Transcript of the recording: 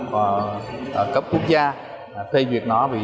và tạo ra năng lượng năng lượng